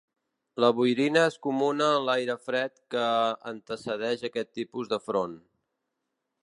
La boirina és comuna en l'aire fred que antecedeix aquest tipus de front.